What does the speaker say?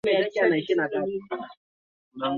ni yule atakayepata zaidi ya asilimia hamsini